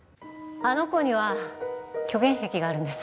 あの子には虚言癖があるんです。